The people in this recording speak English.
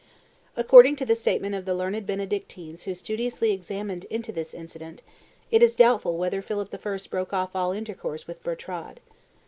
According to the statement of the learned Benedictines who studiously examined into this incident, it is doubtful whether Philip I. broke off all intercourse with Bertrade.